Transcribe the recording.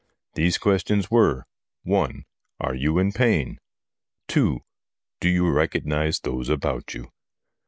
These questions were : 1. Are you in pain? 2. Do you recognise those about you